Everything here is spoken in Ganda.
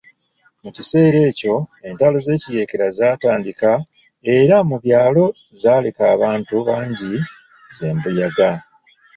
Mu kiseera ekyo entalo z'ekiyeekera zaatandika era mu byalo zaaleka abantu bangi ze mbuyaga.